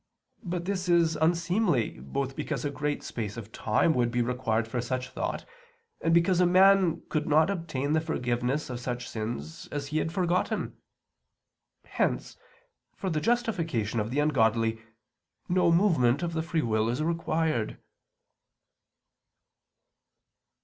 But this is unseemly, both because a great space of time would be required for such thought, and because a man could not obtain the forgiveness of such sins as he had forgotten. Hence for the justification of the ungodly no movement of the free will is required.